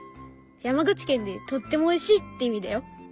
山口県で「とってもおいしい」って意味だよ。